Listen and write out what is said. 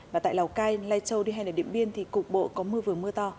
và tại lào cai lai châu đi hè ở điện biên thì cục bộ có mưa vừa mưa to